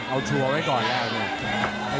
เอาทัวร์ไว้ก่อนนะ